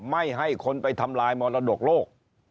ไม่ให้คนไปทำลายมรดกโลก